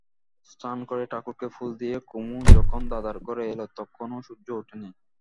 স্নান করে ঠাকুরকে ফুল দিয়ে কুমু যখন দাদার ঘরে এল তখনো সূর্য ওঠে নি।